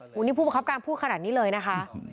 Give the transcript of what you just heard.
วันนี้ผู้ประคับการพูดขนาดนี้เลยนะคะ